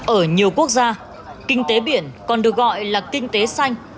ở nhiều quốc gia kinh tế biển còn được gọi là kinh tế xanh